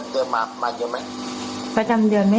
เต็มไหม